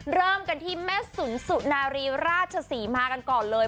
เริ่มกันที่แม่สุนสุนารีราชศรีมากันก่อนเลย